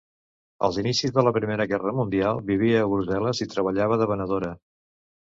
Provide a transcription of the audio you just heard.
Als inicis de la Primera Guerra mundial, vivia a Brussel·les i treballava de venedora.